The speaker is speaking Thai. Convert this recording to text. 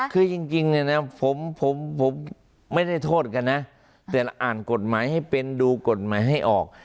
คือจริงเนี่ยนะผมไม่ได้โทษกันนะแต่เราอ่านกฎหมายให้เป็นดูกฎหมายให้ออก